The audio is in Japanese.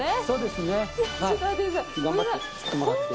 そうですね。